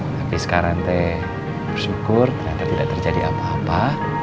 tapi sekarang saya bersyukur ternyata tidak terjadi apa apa